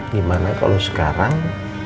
gimana kalau sekarang